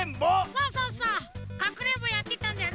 そうそうそうかくれんぼやってたんだよね。